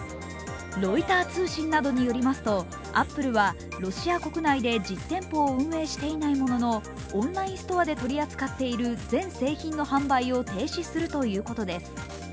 ロイター通信などによりますとアップルはロシア国内で実店舗を運営していないもののオンラインストアで取り扱っている全製品の販売を停止するということです。